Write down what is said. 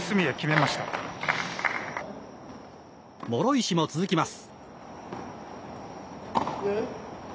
諸石も続きます。